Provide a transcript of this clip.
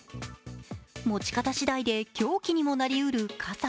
持ち方しだいで凶器にもなりうる傘。